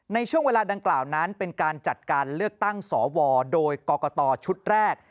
ในช่วงเวลาดังกล่าวนั้นเป็นการจัดการเลือกตั้งสวโดยกรกตชุดแรก